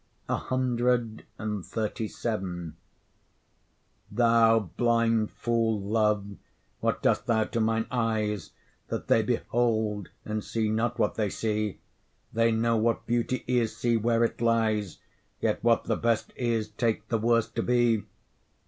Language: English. CXXXVII Thou blind fool, Love, what dost thou to mine eyes, That they behold, and see not what they see? They know what beauty is, see where it lies, Yet what the best is take the worst to be.